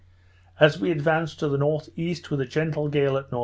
As we advanced to the N.E. with a gentle gale at N.W.